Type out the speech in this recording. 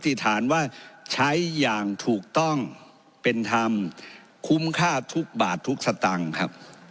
ที่ฐานว่าใช้อย่างถูกต้องเป็นธรรมคุ้มค่าทุกบาททุกสตางค์ครับ